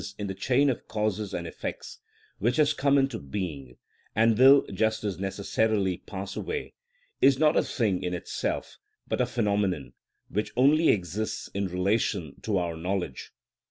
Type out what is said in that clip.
_, in the chain of causes and effects), which has come into being, and will just as necessarily pass away, is not a thing in itself, but a phenomenon which only exists in relation to our knowledge.